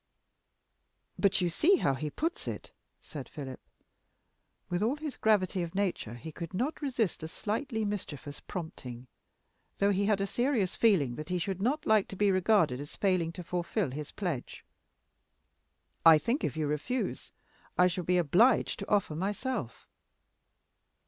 "But you see how he puts it," said Philip. With all his gravity of nature he could not resist a slightly mischievous prompting, though he had a serious feeling that he should not like to be regarded as failing to fulfill his pledge. "I think if you refuse, I shall be obliged to offer myself."